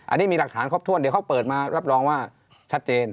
อันนี้มีหลักฐานครบถ้วนเดี๋ยวเขาเปิดมารับรองว่าชัดเจน